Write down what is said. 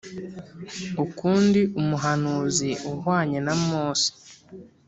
Ukundi Umuhanuzi Uhwanye Na Mose